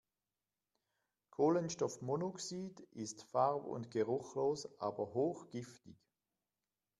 Kohlenstoffmonoxid ist farb- und geruchlos, aber hochgiftig.